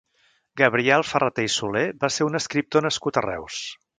Gabriel Ferrater i Soler va ser un escriptor nascut a Reus.